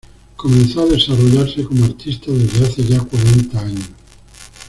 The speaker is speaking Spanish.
Comenzó a desarrollarse como artista desde hace ya cuarenta años.